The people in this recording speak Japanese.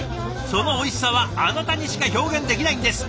そのおいしさはあなたにしか表現できないんです。